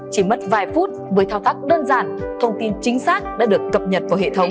chỉ mất vài phút với thao tác đơn giản thông tin chính xác đã được cập nhật